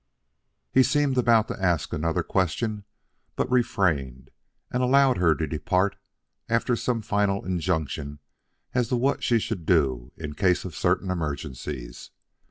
He seemed about to ask another question, but refrained and allowed her to depart after some final injunction as to what she should do in case of certain emergencies.